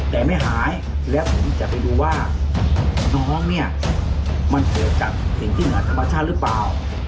แต่ไม่หายแล้วผมจะไปดูว่าน้องเนี่ยมันเกี่ยวกับสิ่งที่เหนือธรรมชาติหรือเปล่า